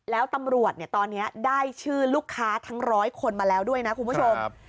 แล้วตำรวจตอนนี้ได้ชื่อลูกค้าทั้งร้อยคนมาแล้วด้วยนะคุณผู้ชม